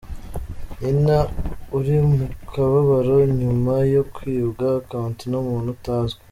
Nina uri mukababaro nyuma yo kwibwa account n’umuntu utazwi.